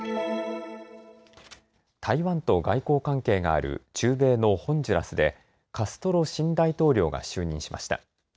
台湾と外交関係がある中米のホンジュラスでカストロ新大統領が就任しました。